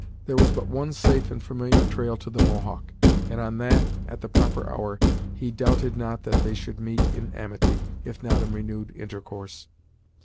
There was but one safe and familiar trail to the Mohawk, and on that, at the proper hour, he doubted not that they should meet in amity, if not in renewed intercourse.